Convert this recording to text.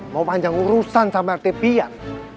mau panjang urusan sama rt pian